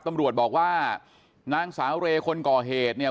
ตำรวจบอกว่านางสาวเรคนก่อเหตุเนี่ย